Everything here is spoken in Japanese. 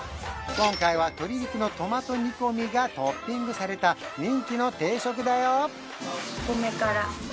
今回は鶏肉のトマト煮込みがトッピングされた人気の定食だよ